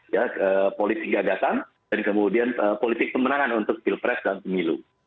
ya politik gagasan dan kemudian politik pemenangan untuk pilpres dan pemilu